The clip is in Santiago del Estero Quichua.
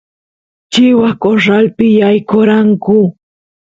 chivas corralpi yaykoranku